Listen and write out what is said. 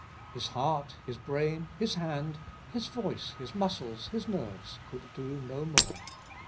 His heart, his brain, his hand, his voice, his muscles, his nerves could do no more.